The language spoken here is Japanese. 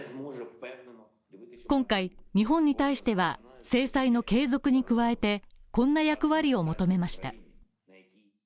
今回、日本に対しては制裁の継続に加えて、こんな役割を求めました。